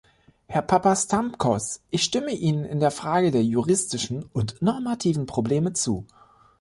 Herr Papastamkos, ich stimme Ihnen in der Frage der juristischen und normativen Probleme zu.